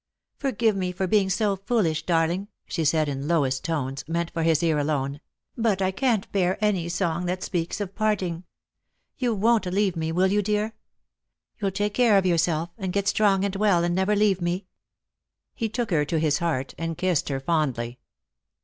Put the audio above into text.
" Forgive me for being so foolish, darling," she said, in lowest tones, meant for his ear alone; "but I can't bear any song that speaks of parting. You won't leave me, will you, dear ? You'll take care of yourself, and get strong and well and never leave me?" He took her to his heart and kissed her fondly.